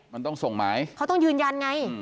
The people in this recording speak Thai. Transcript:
มันต้องส่งหมายเขาต้องยืนยันไง